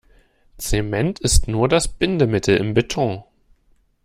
Zement ist nur das Bindemittel im Beton.